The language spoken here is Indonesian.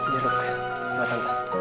jadul buat tante